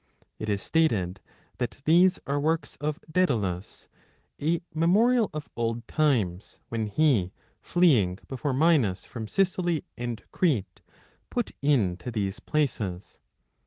It is stated that these are works of Daedalus, a memorial of old times, when he, fleeing before 30 Minos from Sicily and Crete, put in to these places.